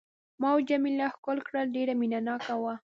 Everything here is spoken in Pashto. ما او جميله ښکل کړل، ډېر مینه ناک وو.